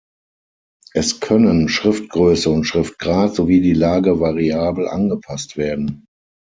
Es können Schriftgröße und Schriftgrad sowie die Lage variabel angepasst werden.